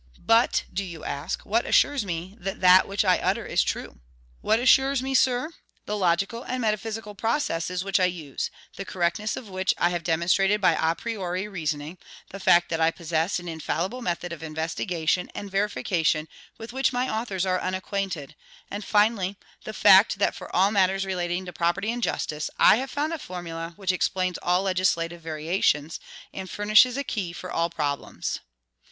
But, do you ask, what assures me that that which I utter is true? What assures me, sir? The logical and metaphysical processes which I use, the correctness of which I have demonstrated by a priori reasoning; the fact that I possess an infallible method of investigation and verification with which my authors are unacquainted; and finally, the fact that for all matters relating to property and justice I have found a formula which explains all legislative variations, and furnishes a key for all problems.